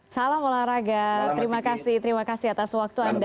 salam olahraga terima kasih atas waktu anda